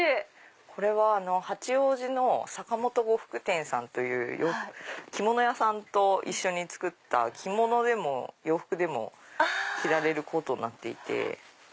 これは八王子の坂本呉服店さんという着物屋さんと一緒に作った着物でも洋服でも着られるコートになっていて。